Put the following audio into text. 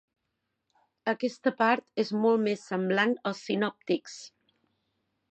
Aquesta part és molt més semblant als sinòptics.